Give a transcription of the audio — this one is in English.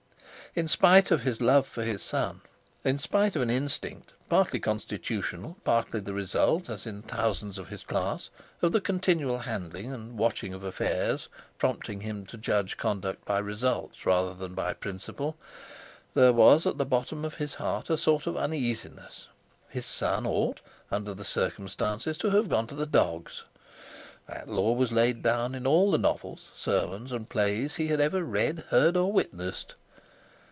In spite of his love for his son, in spite of an instinct, partly constitutional, partly the result, as in thousands of his class, of the continual handling and watching of affairs, prompting him to judge conduct by results rather than by principle, there was at the bottom of his heart a sort of uneasiness. His son ought, under the circumstances, to have gone to the dogs; that law was laid down in all the novels, sermons, and plays he had ever read, heard, or witnessed.